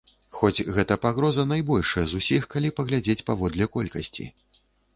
Хоць гэта пагроза найбольшая з усіх, калі паглядзець паводле колькасці.